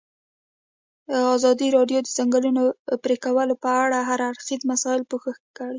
ازادي راډیو د د ځنګلونو پرېکول په اړه د هر اړخیزو مسایلو پوښښ کړی.